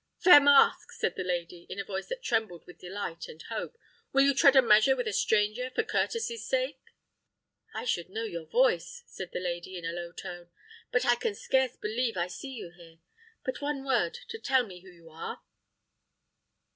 "Fair mask," said the knight, in a voice that trembled with delight and hope, "will you tread a measure with a stranger, for courtesy's sake?" "I should know your voice," said the lady, in a low tone; "but I can scarce believe I see you here. But one word, to tell me who you are?"